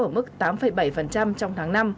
ở mức tám bảy trong tháng năm